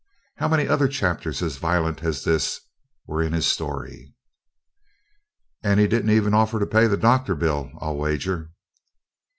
How many other chapters as violent as this were in his story? "And he didn't even offer to pay your doctor bill, I'll wager?"